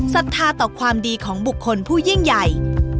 ศรัทธาต่อความดีของบุคคลผู้ยิ่งใหญ่